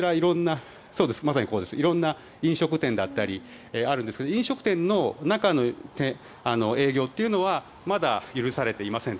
こちら、色んな飲食店だったりがあるんですが飲食店の中の営業というのはまだ許されていません。